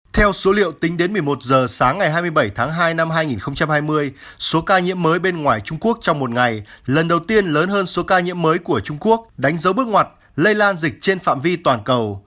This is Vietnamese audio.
theo số liệu tính đến một mươi một h sáng ngày hai mươi bảy tháng hai năm hai nghìn hai mươi số ca nhiễm mới bên ngoài trung quốc trong một ngày lần đầu tiên lớn hơn số ca nhiễm mới của trung quốc đánh dấu bước ngoặt lây lan dịch trên phạm vi toàn cầu